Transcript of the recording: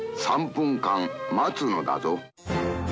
「３分間待つのだぞ」。